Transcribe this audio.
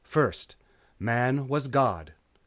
First, Man was God.